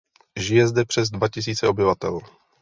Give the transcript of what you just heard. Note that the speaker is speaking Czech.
Žije zde přes dva tisíce obyvatel.